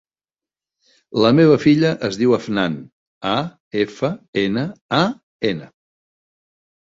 La meva filla es diu Afnan: a, efa, ena, a, ena.